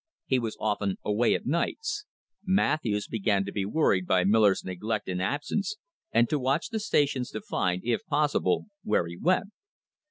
He was often away at nights. Matthews began to be worried by Miller's neglect and absence, and to watch the stations to find, if possible, where he went.